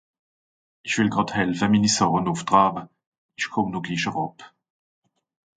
Ìch wìll gràd helfe, mini Sàche nùff traawe, ìch kùmm no glich eràb.